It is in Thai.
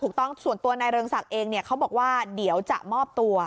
ถูกต้องส่วนตัวนายเริงศักดิ์เองเนี่ยเขาบอกว่าเดี๋ยวจะมอบตัว